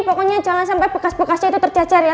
pokoknya jangan sampai bekas bekasnya itu tercacar ya